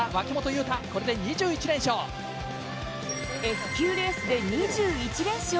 Ｓ級レースで２１連勝。